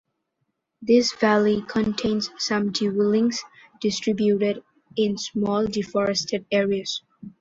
This valley contains some dwellings distributed in small deforested areas.